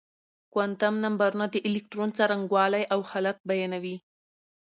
کوانتم نمبرونه د الکترون څرنګوالی او حالت بيانوي.